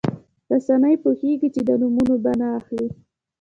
رسنۍ پوهېږي چې د نومونه به نه اخلي.